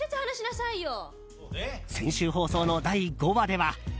先週放送の第５話では。